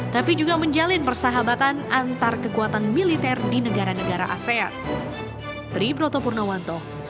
tapi juga menjalin persahabatan antar kekuatan militer di negara negara asean